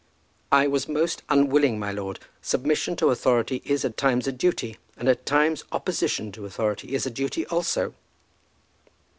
"I was most unwilling, my lord. Submission to authority is at times a duty; and at times opposition to authority is a duty also."